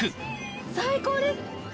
最高です。